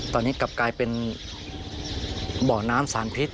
ตอนนี้กลับกลายเป็นบ่อน้ำสารพิษ